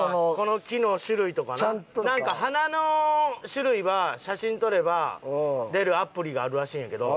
なんか花の種類は写真撮れば出るアプリがあるらしいんやけど。